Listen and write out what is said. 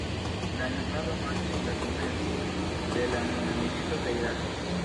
La invado markis la komencon de la nuna milito de Irako.